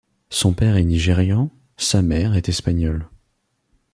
Son père est Nigérian, sa mère est Espagnole.